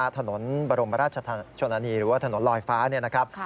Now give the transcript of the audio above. ถนนบรมราชชนานีหรือว่าถนนลอยฟ้า